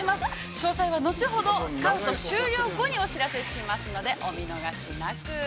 詳細は後ほどスカウト終了後にお知らせしますのでお見逃しなく。